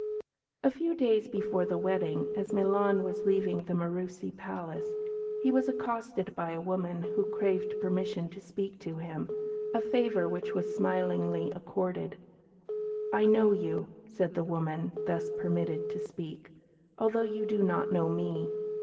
A few days before the wedding, as Milan was leaving the Murussi Palace, he was accosted by a woman, who craved permission to speak to him, a favour which was smilingly accorded. "I know you," said the woman, thus permitted to speak, "although you do not know me.